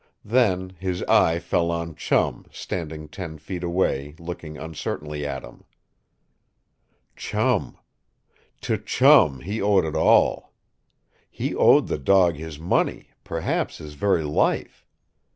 Then his eye fell on Chum, standing ten feet away, looking uncertainly at him. Chum! To Chum he owed it all! He owed the dog his money, perhaps his very life.